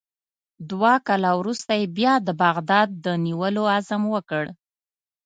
دوه کاله وروسته یې بیا د بغداد د نیولو عزم وکړ.